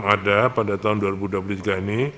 ada pada tahun dua ribu dua puluh tiga ini